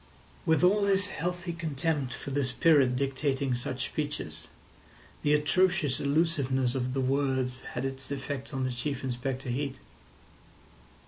With all his healthy contempt for the spirit dictating such speeches, the atrocious allusiveness of the words had its effect on Chief Inspector Heat.